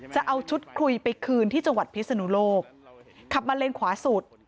จะเอาชุดคุยไปคืนที่จังหวัดพิศนุโลกขับมาเลนขวาสุด